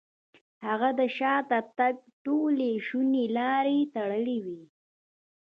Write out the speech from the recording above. هغه د شاته تګ ټولې شونې لارې تړلې وې.